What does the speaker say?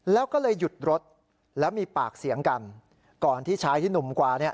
แล้วก็เลยหยุดรถแล้วมีปากเสียงกันก่อนที่ชายที่หนุ่มกว่าเนี่ย